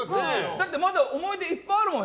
だってまだ思い出いっぱいあるもん。